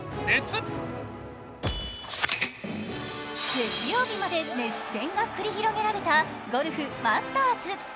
月曜日まで熱戦が繰り広げられたゴルフ・マスターズ。